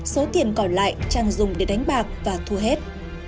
số tiền còn lại trang dùng để đánh bạc và thua hết